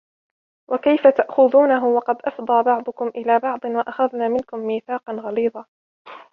وكيف تأخذونه وقد أفضى بعضكم إلى بعض وأخذن منكم ميثاقا غليظا